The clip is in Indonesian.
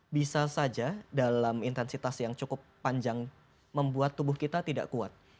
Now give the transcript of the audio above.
bisa saja dalam intensitas yang cukup panjang membuat tubuh kita tidak kuat